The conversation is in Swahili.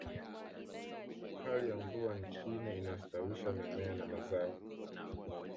hali ya mvua nchini inastawisha mimea na mazao